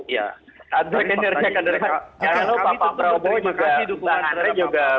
jangan lupa pak prabowo juga bang andre juga